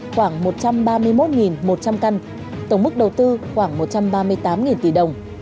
khoảng một trăm ba mươi một một trăm linh căn tổng mức đầu tư khoảng một trăm ba mươi tám tỷ đồng